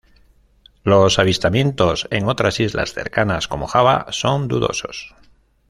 Los avistamientos en otras islas cercanas como Java son dudosos.